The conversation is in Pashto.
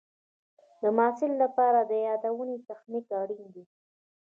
د محصل لپاره د یادونې تخنیک اړین دی.